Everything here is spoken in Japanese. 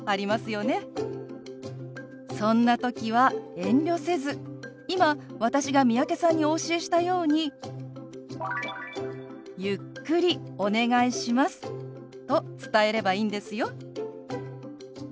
そんな時は遠慮せず今私が三宅さんにお教えしたように「ゆっくりお願いします」と伝えればいいんですよ。